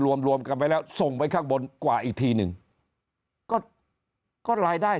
รวมรวมกันไปแล้วส่งไปข้างบนกว่าอีกทีหนึ่งก็ก็รายได้